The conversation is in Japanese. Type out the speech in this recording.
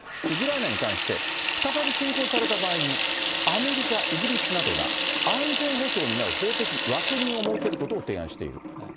ウクライナに関して、再び侵攻された場合に、アメリカ、イギリスなどが安全保障を担う法的枠組みを設けることを提案している。